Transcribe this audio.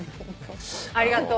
ありがとう。